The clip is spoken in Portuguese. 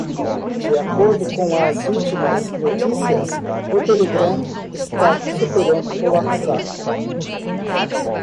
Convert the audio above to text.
De acordo com as últimas notícias, o Telegram está superando o WhatsApp